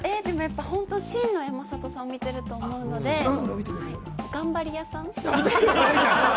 真の山里さんを見てると思うんで、頑張り屋さん。